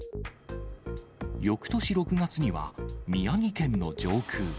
よくとし６月には、宮城県の上空。